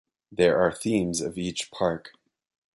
There are themes of each park.